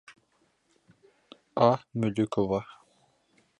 А. МӨЛӨКОВА.